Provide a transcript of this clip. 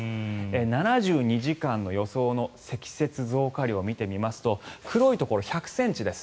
７２時間の予想の積雪増加量を見てみますと黒いところ、１００ｃｍです。